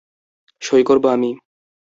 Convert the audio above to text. সই করব আমি।